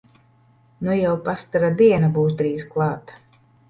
Nu jau pastara diena būs drīz klāt!